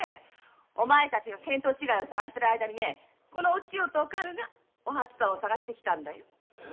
お前たちが見当違いを捜してる間にこの二人がお初さんを捜してきたんだよ。